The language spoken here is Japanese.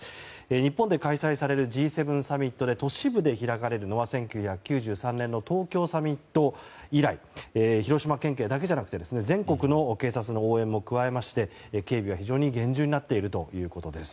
日本で開催されるＧ７サミットで都市部で開かれるのは１９９３年の東京サミット以来広島県警だけじゃなくて全国の警察の応援も加え警備は非常に厳重になっているということです。